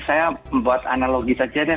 saya membuat analogi saja deh